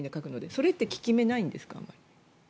それってあまり効き目ないんですか？